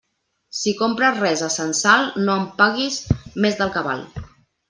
Si compres res a censal, no en paguis més del que val.